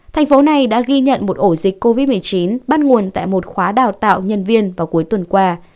thành phố này đã ghi nhận một ổ dịch covid một mươi chín bắt nguồn tại một khóa đào tạo nhân viên vào cuối tuần qua